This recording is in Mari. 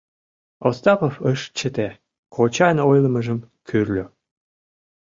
— Остапов ыш чыте, кочан ойлымыжым кӱрльӧ.